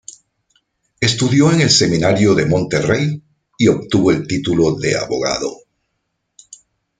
Estudió en el Seminario de Monterrey y obtuvo el título de abogado.